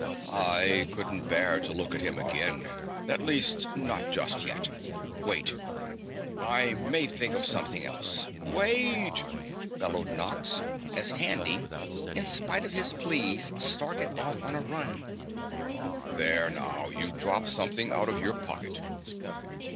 "I couldn't bear to look at him again, at least, not just yet. Wait! I may think of something else! WAIT!" bellowed Nox, as Handy, in spite of his pleas, started off on a run. "There now, you've dropped something out of your pocket."